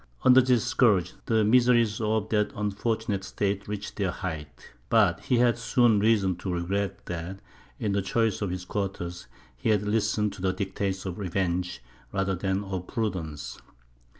Under this scourge, the miseries of that unfortunate state reached their height. But he had soon reason to regret that, in the choice of his quarters, he had listened to the dictates of revenge rather than of prudence.